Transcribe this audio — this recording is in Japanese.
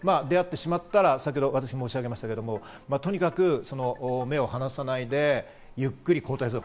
そして出会ってしまったら、先程申し上げましたけど、とにかく目を離さないで、ゆっくり後退する。